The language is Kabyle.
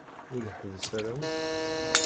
Ur iḥebbes ara akk.